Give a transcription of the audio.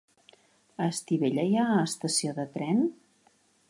A Estivella hi ha estació de tren?